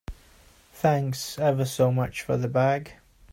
Thanks ever so much for the bag.